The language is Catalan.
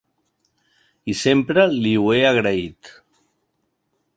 I sempre li ho he agraït.